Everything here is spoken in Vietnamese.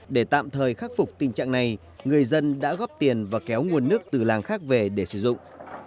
để tạm thời khắc phục tình trạng này người dân đã góp tiền và kéo nguồn nước từ làng khác về để sử dụng